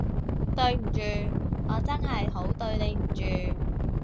對唔住，我真係好對你唔住